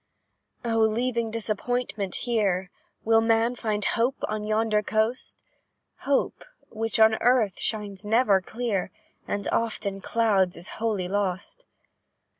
"Oh! leaving disappointment here, Will man find hope on yonder coast? Hope, which, on earth, shines never clear, And oft in clouds is wholly lost.